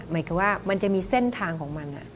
หมายความว่ามันจะมีเส้นทางของมัน